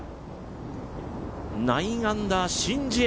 ９アンダー、シン・ジエ